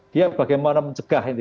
dia bagaimana mencegah